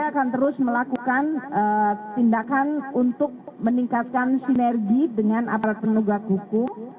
kami akan terus melakukan tindakan untuk meningkatkan sinergi dengan aparat penegak hukum